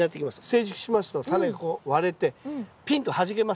成熟しますとタネがこう割れてピンとはじけます。